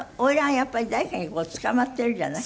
やっぱり誰かにこうつかまってるじゃない？